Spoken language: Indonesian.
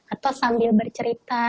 atau sambil bercerita